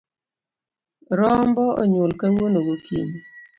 Rombo onyuol kawuono gokinyi.